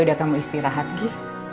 udah kamu istirahat gi